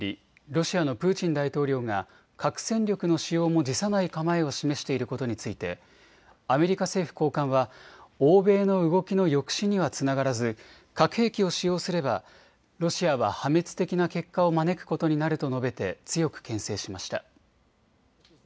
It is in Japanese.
ロシアのプーチン大統領が核戦力の使用も辞さない構えを示していることについてアメリカ政府高官は欧米の動きの抑止にはつながらず核兵器を使用すればロシアは破滅的な結果を招くことになると述べて強くけん制しました。